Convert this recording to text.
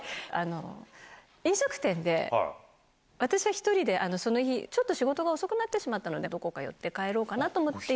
飲食店で私は１人でその日、ちょっと仕事が遅くなってしまったので、どこか寄って帰ろうかなと思って。